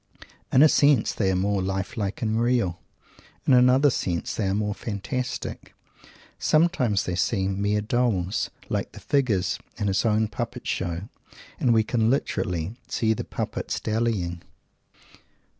In a sense, they are more life like and real. In another sense, they are more fantastic. Sometimes they seem mere dolls like the figures in his own puppet show and we can literally "see the puppets dallying."